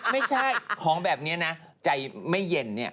ไม่ใช่ของแบบนี้นะใจไม่เย็นเนี่ย